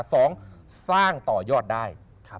สองสร้างต่อยอดได้